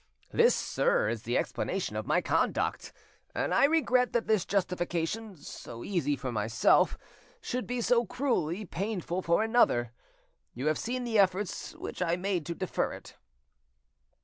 This, sir, is the explanation of my conduct, and I regret that this justification, so easy for myself, should be so cruelly painful for another. You have seen the efforts which I made to defer it."